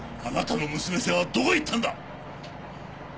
あなたの娘さんはどこへ行ったんだ！？